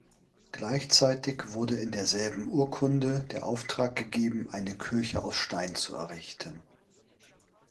Gleichzeitig wurde in derselben Urkunde der Auftrag gegeben, eine Kirche aus Stein zu errichten.